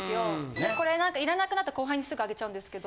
これなんか要らなくなったら後輩にすぐあげちゃうんですけど。